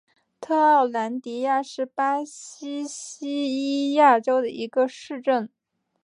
特奥兰迪亚是巴西巴伊亚州的一个市镇。